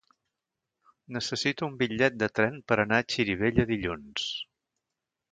Necessito un bitllet de tren per anar a Xirivella dilluns.